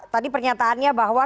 tadi pernyataannya bahwa